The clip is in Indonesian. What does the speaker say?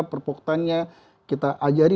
perpuktaannya kita ajari